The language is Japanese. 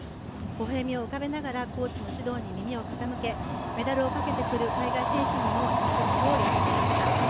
微笑みを浮かべながらコーチの指導に耳を傾けメダルをかけてくる海外選手にも祝福を寄せていました。